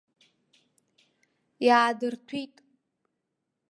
Иаадырҭәит.